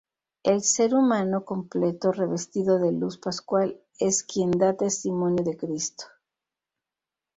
El ser humano completo, revestido de luz pascual, es quien da testimonio de Cristo.